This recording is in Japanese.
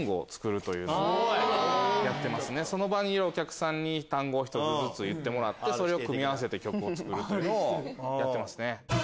その場にいるお客さんに単語を１つずつ言ってもらってそれを組み合わせて曲を作るというのをやってます。